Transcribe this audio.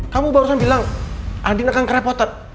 kamu barusan bilang andin akan kerepotan